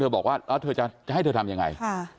เธอบอกว่าจะให้เธอทำยังไง